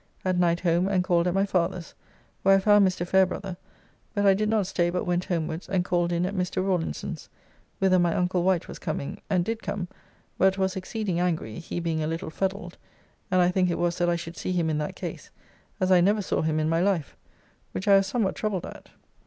At night home and called at my father's, where I found Mr. Fairbrother, but I did not stay but went homewards and called in at Mr. Rawlinson's, whither my uncle Wight was coming and did come, but was exceeding angry (he being a little fuddled, and I think it was that I should see him in that case) as I never saw him in my life, which I was somewhat troubled at.